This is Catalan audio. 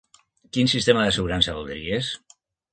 Quin sistema d'assegurança voldries?